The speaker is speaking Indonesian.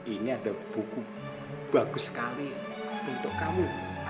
ini ada buku bagus sekali untuk kamu